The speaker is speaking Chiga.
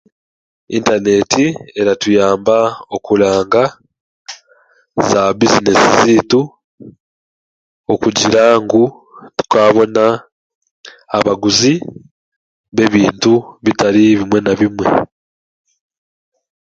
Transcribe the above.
Intaneeti eratuyamba okuranga zaabizinesi zaitu, okugira ngu tukaabona abaguzi b'ebintu bitari bimwe na bimwe.